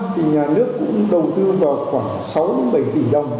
thì nhà nước cũng đầu tư vào khoảng sáu mươi bảy tỷ đồng